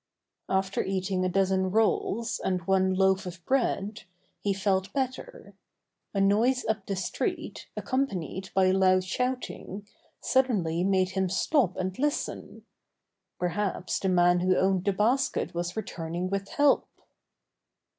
After eating a dozen rolls, and one loaf of bread, he felt better. A noise up the street accompanied by loud shouting, suddenly made him stop and listen. Perhaps the man who owned the basket was returning with help.